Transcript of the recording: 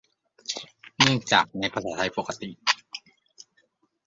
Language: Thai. เนื่องจาก ในภาษาไทยปกติ